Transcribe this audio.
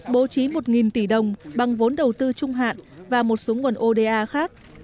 bố trí một tỷ đồng bằng vốn đầu tư trung hạn và một số nguồn oda khác